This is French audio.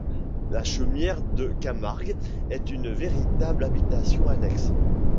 La chaumière de Camargue est une véritable habitation annexe.